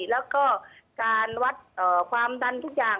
แล้วก็การวัดความดันทุกอย่าง